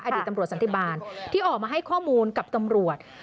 อดีตตำรวจสันติบาลที่ออกมาให้ข้อมูลกับตำรวจ